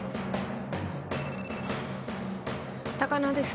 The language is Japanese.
高輪です